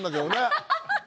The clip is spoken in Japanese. アハハハ！